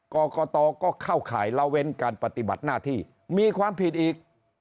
กรกตก็เข้าข่ายละเว้นการปฏิบัติหน้าที่มีความผิดอีก